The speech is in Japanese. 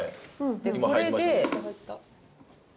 でこれで。